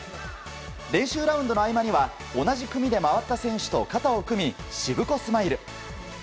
練習ラウンドの合間には同じ組で回った選手と肩を組み、しぶこスマイル。